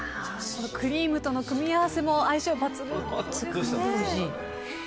クリームとの組み合わせも相性抜群ですね。